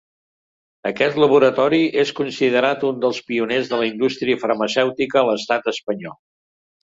Aquest laboratori és considerat un dels pioners de la indústria farmacèutica a l'estat espanyol.